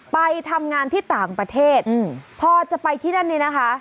ไปทำงานที่ต่างประเทศพอจะไปที่นั่นเนี่ยนะคะ